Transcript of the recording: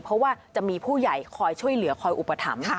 เพราะว่าจะมีผู้ใหญ่คอยช่วยเหลือคอยอุปถัมภ์